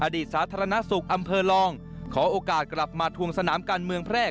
สาธารณสุขอำเภอลองขอโอกาสกลับมาทวงสนามการเมืองแพร่